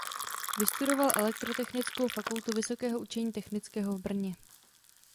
Vystudoval elektrotechnickou fakultu Vysokého učení technického v Brně.